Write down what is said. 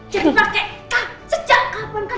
jadi pake k sejak kapan kan